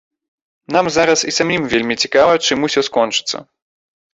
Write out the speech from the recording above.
Нам зараз і самім вельмі цікава, чым усё скончыцца.